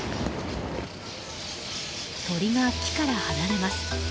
鳥が木から離れます。